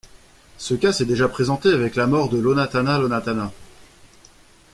Ce cas s'est déjà présenté avec la mort de Ionatana Ionatana.